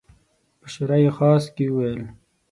په شورای خاص کې وویل.